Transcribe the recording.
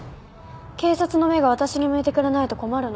警察の目がわたしに向いてくれないと困るの。